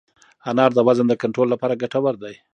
انار د وزن د کنټرول لپاره ګټور دی.